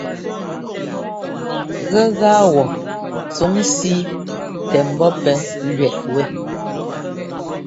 Gɛgaa wɔ tsuŋ síi tɛ ḿbɔ́ pɛ́ lẅɛꞌ wɛ́.